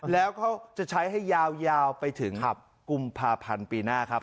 แล้วเขาจะใช้ให้ยาวไปถึงกุมภาพันธ์ปีหน้าครับ